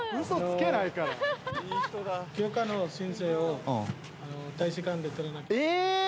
許可の申請を大使館で取らなえー！